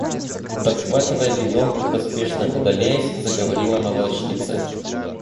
– подхватывая бидон и поспешно удаляясь, заговорила молочница.